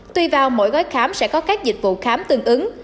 tuy vào mỗi gói khám sẽ có các dịch vụ khám tương ứng